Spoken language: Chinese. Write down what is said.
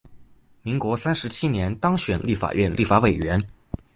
民国三十七年当选立法院立法委员。